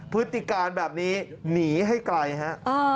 พฤติการแบบนี้หนีให้ไกลฮะ